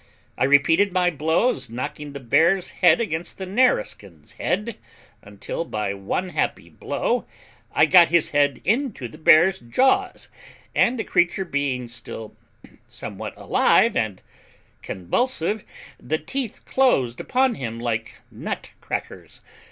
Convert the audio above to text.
I repeated my blows, knocking the bear's head against the Nareskin's head, until, by one happy blow, I got his head into the bear's jaws, and the creature being still somewhat alive and convulsive, the teeth closed upon him like nutcrackers.